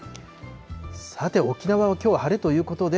さて、沖縄はきょうは晴れということで、